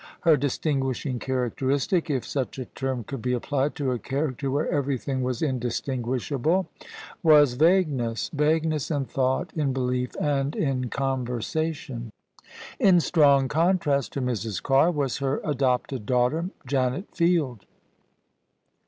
Her distinguishing characteristic (if such a term could be applied to a character where everything was indistinguishable) was vagueness — ^vagueness in thought, in belief and in conversation. In strong contrast to Mrs. Carr was her adopted daughter, Janet Field.